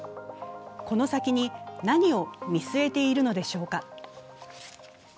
この先に何を見据えているのでしょうか。